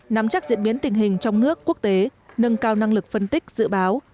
nắm chắc diễn biến tình hình trong nước quốc tế nâng cao năng lực phân tích dự báo